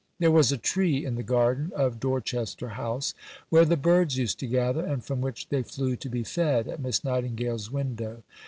There was a tree in the garden of Dorchester House where the birds used to gather, and from which they flew to be fed at Miss Nightingale's window.